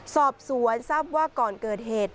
สอบสวนทราบว่าก่อนเกิดเหตุ